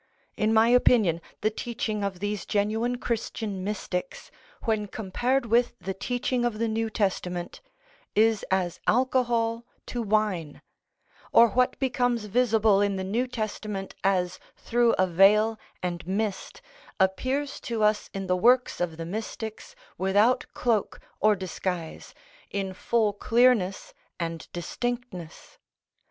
In my opinion the teaching of these genuine Christian mystics, when compared with the teaching of the New Testament, is as alcohol to wine, or what becomes visible in the New Testament as through a veil and mist appears to us in the works of the mystics without cloak or disguise, in full clearness and distinctness.